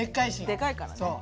でかいからね。